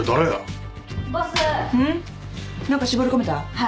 はい。